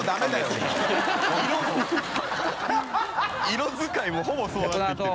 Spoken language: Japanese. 色使いもほぼそうなってきてる。